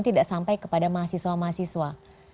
tidak sampai kepada mahasiswa mahasiswa